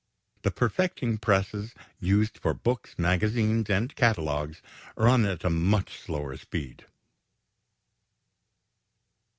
The perfecting presses used for books, magazines, and catalogues run at a much slower speed.